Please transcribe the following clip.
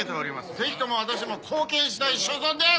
ぜひとも私も貢献したい所存です！